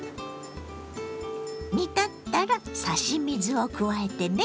煮立ったら差し水を加えてね。